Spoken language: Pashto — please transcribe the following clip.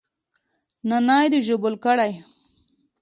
نانى دې ژوبل کړى.